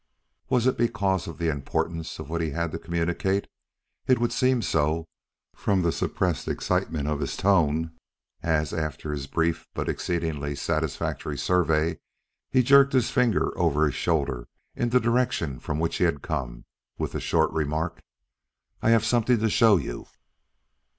Was it because of the importance of what he had to communicate? It would seem so, from the suppressed excitement of his tone, as after his brief but exceedingly satisfactory survey, he jerked his finger over his shoulder in the direction from which he had come, with the short remark: "I have something to show you."